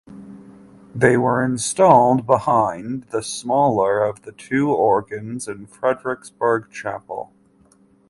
They were installed behind the smaller of the two organs in Frederiksborg Chapel.